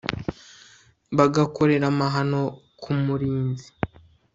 bagakorera amahano ku murinzi